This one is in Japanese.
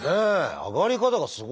上がり方がすごいですね